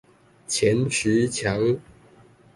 前十強